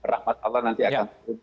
rahmat allah nanti akan